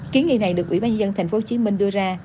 kiến nghị này được ủy ban nhân dân tp hcm đưa ra